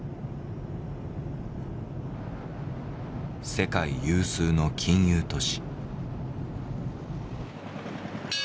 世界有数の金融都市。